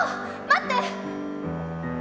待って！